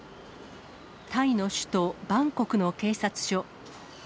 タイの首都バンコクの警察署。